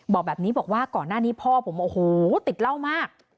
บอกแบบนี้บอกว่าก่อนหน้านี้พ่อผมโอ้โหติดเหล้ามาก